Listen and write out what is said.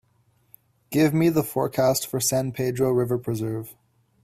Give me the forecast for San Pedro River Preserve